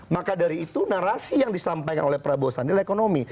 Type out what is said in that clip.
maka dari itu narasi yang disampaikan oleh prabowo sandi adalah ekonomi